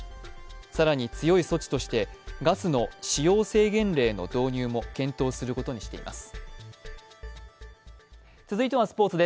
更に強い措置として、ガスの使用制限令の導入も検討することにしています。